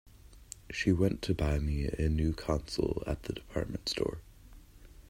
She went to buy me a new console at the department store.